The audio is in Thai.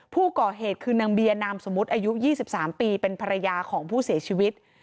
ผู้ก่อเหตุคือนางเบียนามสมมุติอายุ๒๓ปีเป็นภรรยาของผู้เสียชีวิต